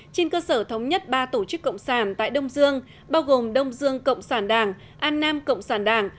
trên cơ sở thống nhất ba tổ chức cộng sản tại đông dương bao gồm đông dương cộng sản đảng an nam cộng sản đảng